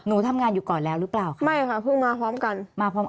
หนูทำงานอยู่ก่อนแล้วหรือเปล่าไม่ค่ะเพิ่งมาพร้อมกันมาพร้อม